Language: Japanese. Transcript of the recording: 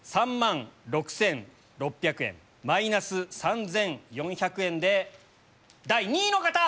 ３万６６００円マイナス３４００円で第２位の方！